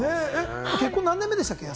結婚何年目でしたっけ？